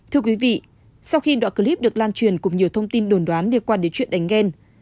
thưa quý vị sau khi đoạn clip được lan truyền cùng nhiều thông tin đồn đoán liên quan đến chuyện đánh ghen